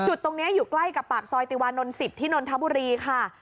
จุดตรงนี้อยู่ใกล้กับปากซอยติวานนท์๑๐ที่นนทบุรีค่ะ